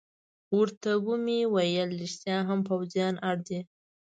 ورته مې وویل: رښتیا هم، پوځیان اړ دي.